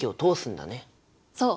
そう！